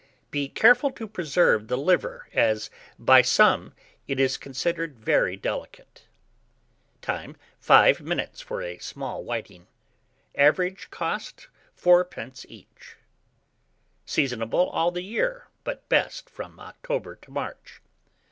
Be careful to preserve the liver, as by some it is considered very delicate. Time. 5 minutes for a small whiting. Average cost, 4d. each. Seasonable all the year, but best from October to March.